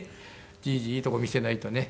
じいじいいとこ見せないとね。